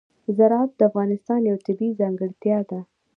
زراعت د افغانستان یوه طبیعي ځانګړتیا ده.